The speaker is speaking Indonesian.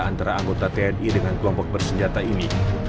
antara anggota tni dengan kelompok bersenjata ini